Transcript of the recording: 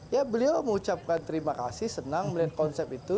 ya beliau mengucapkan terima kasih senang melihat konsep itu